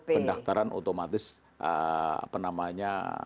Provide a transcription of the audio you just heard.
pendaftaran otomatis apa namanya